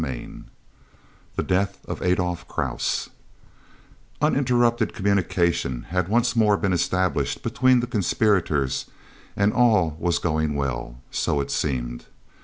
CHAPTER XXIV THE DEATH OF ADOLPH KRAUSE Uninterrupted communication had once more been established between the conspirators, and all was going well. _So it seemed!